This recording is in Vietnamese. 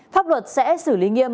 pháp luật sẽ xử lý nghiêm